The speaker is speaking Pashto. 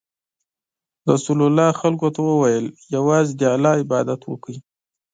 رسول الله خلکو ته وویل: یوازې د الله عبادت وکړئ.